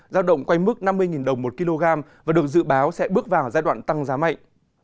giao động quanh mức năm mươi đồng một kg và được dự báo sẽ bước vào giai đoạn tăng giá mạnh